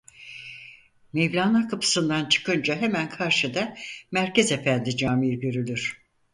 Mevlanakapısından çıkınca hemen karşıda Merkezefendi Camii görülür.